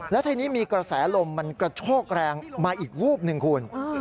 แล้วทีนี้มีกระแสลมมันกระโชกแรงมาอีกวูบหนึ่งคุณ